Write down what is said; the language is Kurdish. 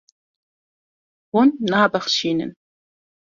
Hûn nabexşînin.